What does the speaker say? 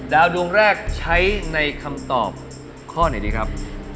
ดวงแรกใช้ในคำตอบข้อไหนดีครับ